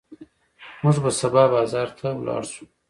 موږ به سبا بازار ته لاړ شو.